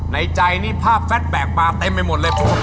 ในใจนี่ภาพแฟดแปลกปลาเต็มไปหมดเลย